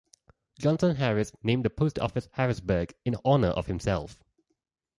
Johnson Harris named the post office Harrisburg in honor of himself.